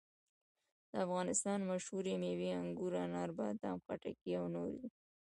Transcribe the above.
د افغانستان مشهورې مېوې انګور، انار، بادام، خټکي او نورې دي.